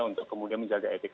untuk kemudian menjaga etik